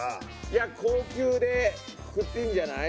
いや高級でくくっていいんじゃない？